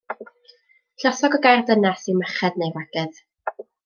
Lluosog y gair dynes yw merched neu wragedd.